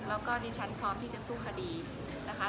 แล้วก็ดิฉันพร้อมที่จะสู้คดีนะคะ